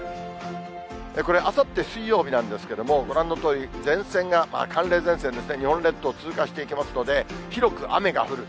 これ、あさって水曜日なんですけれども、ご覧のとおり、前線が、寒冷前線ですね、日本列島通過していきますので、広く雨が降る。